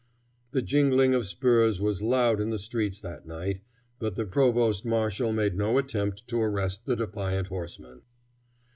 The jingling of spurs was loud in the streets that night, but the provost marshal made no attempt to arrest the defiant horseman.